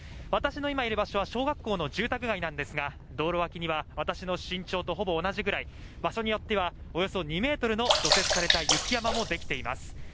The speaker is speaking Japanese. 私の今いる場所は小学校の住宅街なんですが道路脇には私の身長とほぼ同じぐらい場所によってはおよそ２ｍの除雪された雪山もできています